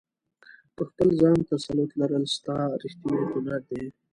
په خپل ځان تسلط لرل، ستا ریښتنی قدرت دی.